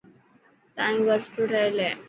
تايو گھر سٺو ٺهيل هي.